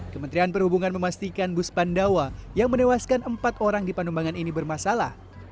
kementerian perhubungan memastikan bus pandawa yang menewaskan empat orang di panumbangan ini bermasalah